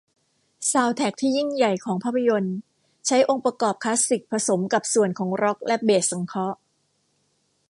ซาวด์แทร็กที่ยิ่งใหญ่ของภาพยนตร์ใช้องค์ประกอบคลาสสิคผสมกับส่วนของร็อคและเบสสังเคราะห์